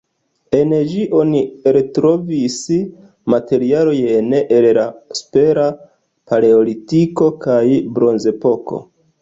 En ĝi oni eltrovis materialojn el la Supera paleolitiko kaj Bronzepoko.